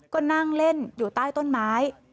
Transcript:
ก็นั่งเล่นอยู่ใต้ต้นไม้